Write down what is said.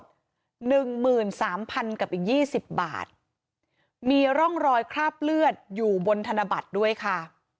หนึ่งหมื่นสามพันกับอีกยี่สิบบาทมีร่องรอยคราบเลือดอยู่บนธนบัตรด้วยค่ะ